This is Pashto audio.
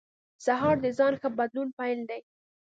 سهار د ځان ښه بدلون پیل دی.